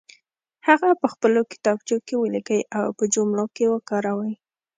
هغه په خپلو کتابچو کې ولیکئ او په جملو کې وکاروئ.